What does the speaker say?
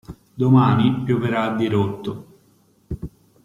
Domani pioverà a dirotto.